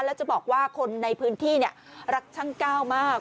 แล้วจะบอกว่าคนในพื้นที่รักช่างก้าวมาก